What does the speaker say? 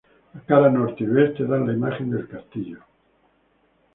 La cara norte y oeste dan la imagen de castillo.